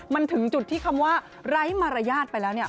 มันถึงจุดที่คำว่าไร้มารยาทไปแล้วเนี่ย